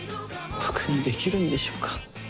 僕にできるんでしょうか。